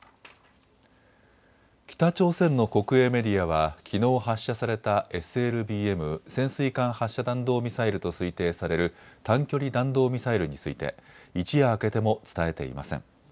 北朝鮮の国営メディアはきのう発射されたＳＬＢＭ・潜水艦発射弾道ミサイルと推定される短距離弾道ミサイルについて一夜明けても伝えていません。